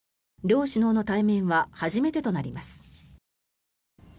両首脳の対面は初めてとなります。